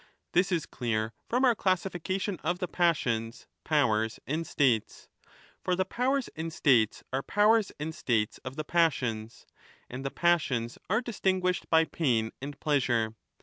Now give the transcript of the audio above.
This is clear from our 35 classification ^ of the passions, powers, and states ; for the powers and states are powers and states of the passions, and the passions are distinguished by pain and pleasure.